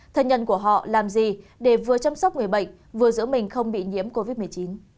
thân nhân của họ làm gì để vừa chăm sóc người bệnh vừa giữ mình không bị nhiễm covid một mươi chín